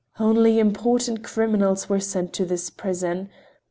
Only important criminals were sent to this prison.